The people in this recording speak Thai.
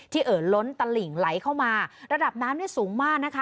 ที่เอ๋นล้นตลิ่งไหลเข้ามาระดับน้ำสูงมาก